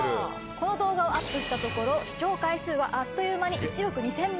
この動画をアップしたところ視聴回数はあっという間に１億２０００万回超え。